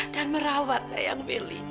dan merawat layang willy